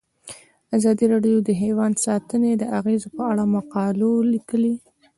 ازادي راډیو د حیوان ساتنه د اغیزو په اړه مقالو لیکلي.